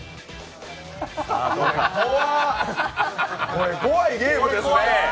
怖っ、これ怖いゲームですね。